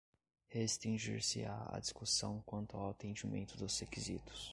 restringir-se-á à discussão quanto ao atendimento dos requisitos